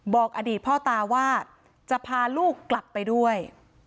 บอกอดีตพ่อตาว่าจะพาลูกกลับไปด้วย